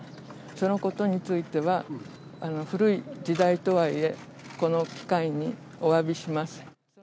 そのことについては、古い時代とはいえ、この機会におわびします。